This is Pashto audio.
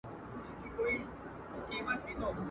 سپیني توري زنګ وهلي ړنګ توپونه پر میدان کې.